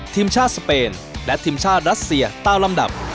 ทีมชาติสเปนและทีมชาติรัสเซียตามลำดับ